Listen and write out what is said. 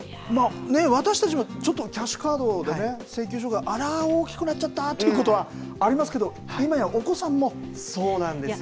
私たちもちょっと、キャッシュカードでね、請求書が、あらー大きくなっちゃったということはありそうなんですよ。